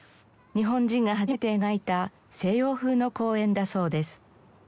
日本人が初めて描いた西洋風の公園だそうです。